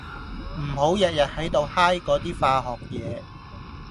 唔好日日喺度 high 嗰啲化學嘢